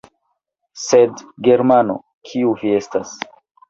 Sed, Germano, kiu vi estas!